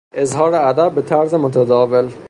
اظهار ادب به طرز متداول